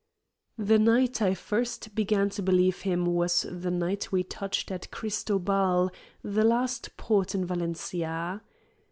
The night I first began to believe him was the night we touched at Cristobal, the last port in Valencia.